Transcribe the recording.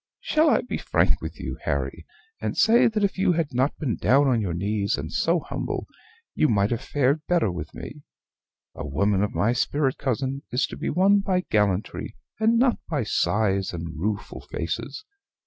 Shall I be frank with you, Harry, and say that if you had not been down on your knees, and so humble, you might have fared better with me? A woman of my spirit, cousin, is to be won by gallantry, and not by sighs and rueful faces.